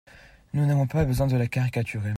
Nous n’avons pas besoin de la caricaturer